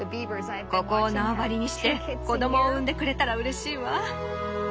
ここを縄張りにして子供を産んでくれたらうれしいわ。